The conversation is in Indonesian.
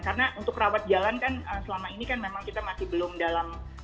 karena untuk rawat jalan kan selama ini kan memang kita masih belum dalam